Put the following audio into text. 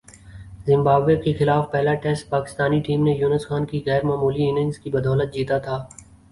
Zimbabwe کے خلاف پہلا ٹیسٹ پاکستانی ٹیم نے یونس خان کی غیر معمولی اننگز کی بدولت جیتا تھا